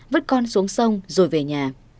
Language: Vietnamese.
vứt con xuống sông rồi về nhà